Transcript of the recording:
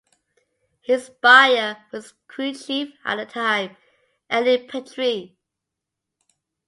His buyer was his crew chief at the time, Andy Petree.